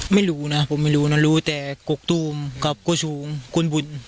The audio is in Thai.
ไม่รู้นะผมไม่รู้นะรู้แต่กกตูมกับโกชูงกุลบุญ